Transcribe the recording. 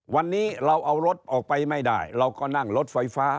วันนี้เราเอารถออกไปไม่ได้เราก็นั่งรถไฟฟ้า